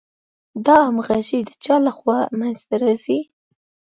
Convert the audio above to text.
دا همغږي د چا له خوا منځ ته راځي؟